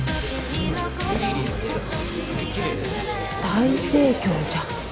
大盛況じゃん。